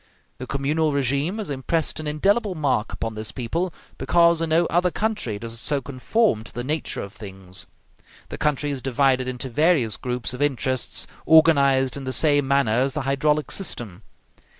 The communal regime has impressed an indelible mark upon this people, because in no other country does it so conform to the nature of things. The country is divided into various groups of interests organized in the same manner as the hydraulic system.